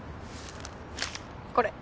これ。